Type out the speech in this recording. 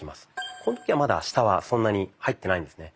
この時はまだ下はそんなに入ってないんですね。